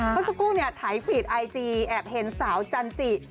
เมื่อสักครู่เนี่ยถ่ายฟีดไอจีแอบเห็นสาวจันจิ